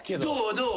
どう？